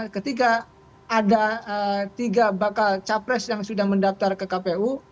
ketika ada tiga bakal capres yang sudah mendaftar ke kpu